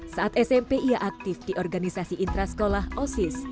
saat smp ia aktif di organisasi intrasekolah osis